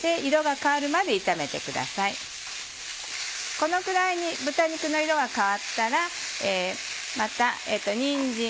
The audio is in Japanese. このぐらいに豚肉の色が変わったらにんじん。